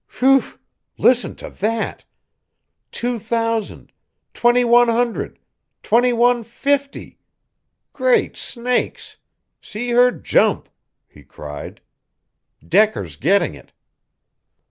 "Phew! listen to that! Two thousand, twenty one hundred, twenty one fifty. Great snakes! See her jump!" he cried. "Decker's getting it."